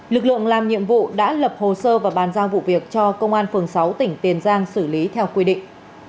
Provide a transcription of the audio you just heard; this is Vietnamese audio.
lực lượng làm nhiệm vụ đã lập hồ sơ và bàn giao vụ việc cho công an phường sáu tỉnh tiền giang xử lý theo quy định